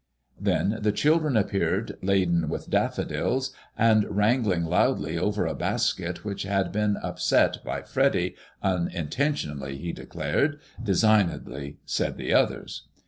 Then the children appeared laden with daffodils, and wrane MADEMOISELLE IXE. 14I ling loudly over a basket which had been upset by Freddy, unin tentionally he declared, designedly said the others.